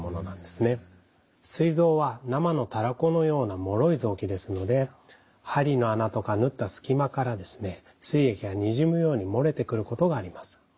すい臓は生のたらこのようなもろい臓器ですので針の穴とか縫ったすきまからすい液がにじむように漏れてくることがあります。